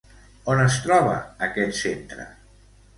On es troba aquest centre?